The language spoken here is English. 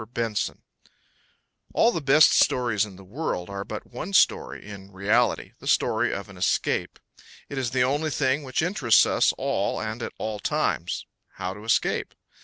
I ESCAPE All the best stories in the world are but one story in reality the story of an escape. It is the only thing which interests us all and at all times how to escape.